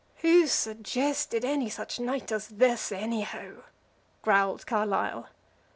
"Who suggested any such night as this, anyhow?" growled Carlyle.